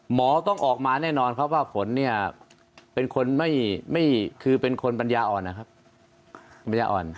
หมอต้องออกมาแน่นอนเพราะว่าผลเป็นคนปัญญาอ่อน